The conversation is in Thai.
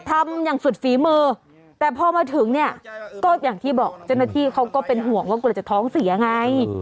ทำอย่างสุดฝีมือแต่พอมาถึงเนี่ยก็อย่างที่บอกเจ้าหน้าที่เขาก็เป็นห่วงว่ากลัวจะท้องเสียไง